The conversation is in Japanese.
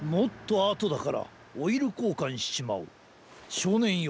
しょうねんよ